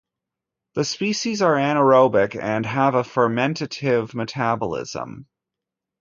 The species are anaerobic and have a fermentative metabolism.